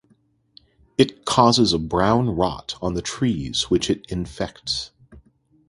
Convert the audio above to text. It causes a brown rot on the trees which it infects.